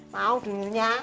mau dulu ya